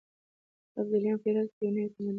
ابداليان په هرات کې د يو نوي تمدن بنسټګر شول.